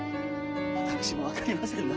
私も分かりませぬが。